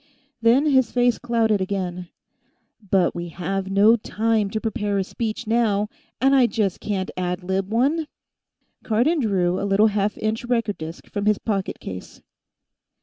Then his face clouded again. "But we have no time to prepare a speech, now, and I just can't ad lib one." Cardon drew a little half inch record disk from his pocket case.